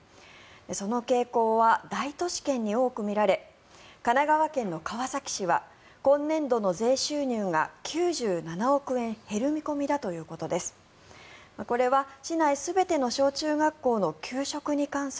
その傾向は大都市圏に多く見られ神奈川県の川崎市は今年度の税収入が９７億円減る見込みだということです。